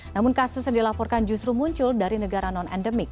namun kasus yang dilaporkan justru muncul dari negara non endemik